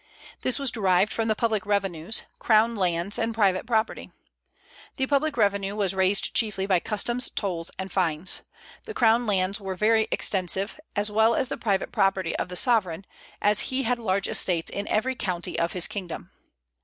This was derived from the public revenues, crown lands, and private property. The public revenue was raised chiefly by customs, tolls, and fines. The crown lands were very extensive, as well as the private property of the sovereign, as he had large estates in every county of his kingdom.